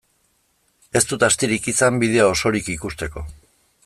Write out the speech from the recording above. Ez dut astirik izan bideoa osorik ikusteko.